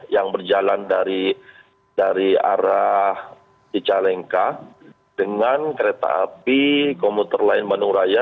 yang berjalan dari arah cicalengka dengan kereta api komuter lain bandung raya